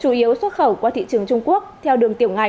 chủ yếu xuất khẩu qua thị trường trung quốc theo đường tiểu ngạch